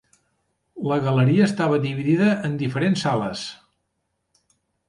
La galeria estava dividida en diferents sales.